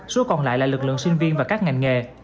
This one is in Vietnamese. số còn lại là lực lượng sinh viên và các ngành nghề